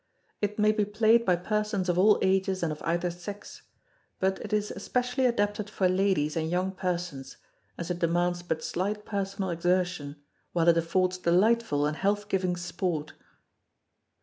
It nay be played by persons of all ages and of either sex; but it is especially adapted for ladies and young persons, as it demands but slight personal exertion, while it affords delightful and health giving sport.